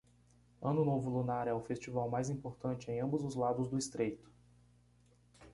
Ano Novo Lunar é o festival mais importante em ambos os lados do estreito